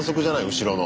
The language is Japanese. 後ろの。